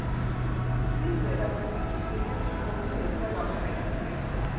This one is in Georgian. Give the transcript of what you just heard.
სიმღერა ჯგუფის ფილმებში ორჯერ იქნა გამოყენებული.